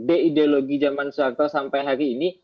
de ideologi zaman suwarto sampai hari ini